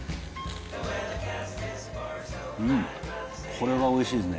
うん、これはおいしいですね。